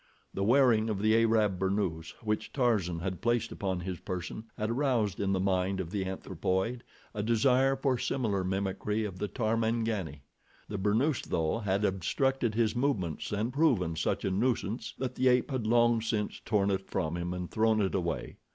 The wearing of the Arab burnoose which Tarzan had placed upon his person had aroused in the mind of the anthropoid a desire for similar mimicry of the Tarmangani. The burnoose, though, had obstructed his movements and proven such a nuisance that the ape had long since torn it from him and thrown it away.